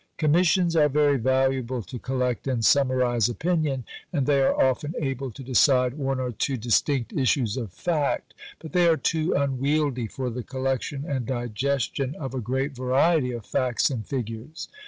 Commissions are very valuable to collect and summarize opinion, and they are often able to decide one or two distinct issues of fact. But they are too unwieldy for the collection and digestion of a great variety of facts and figures.